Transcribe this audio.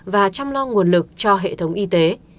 và chăm lo nguồn lực cho hệ thống y tế